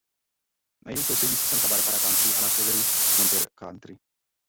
Na jihu sousedí se Santa Barbara County a na severu s Monterey County.